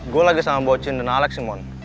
gue lagi sama bocin dan alex sih mon